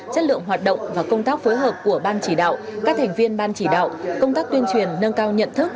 chất lượng hoạt động và công tác phối hợp của ban chỉ đạo các thành viên ban chỉ đạo công tác tuyên truyền nâng cao nhận thức